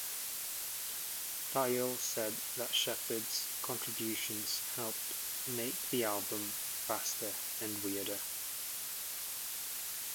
Thayil said that Shepherd's contributions helped make the album "faster" and "weirder".